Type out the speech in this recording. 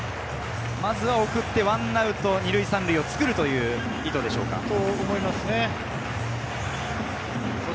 まずは送って１アウト２塁３塁を作るという意図でしょうか。